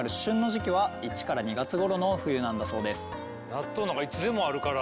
納豆なんかいつでもあるから。